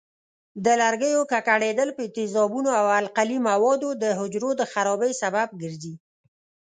د لرګیو ککړېدل په تیزابونو او القلي موادو د حجرو د خرابۍ سبب ګرځي.